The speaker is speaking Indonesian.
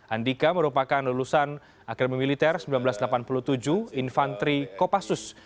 andika merupakan lulusan akademi militer seribu sembilan ratus delapan puluh tujuh infantri kopassus